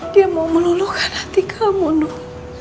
dia mau meluluhkan hati kamu